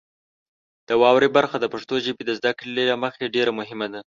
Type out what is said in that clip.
د واورئ برخه د پښتو ژبې د زده کړې له مخې ډیره مهمه ده.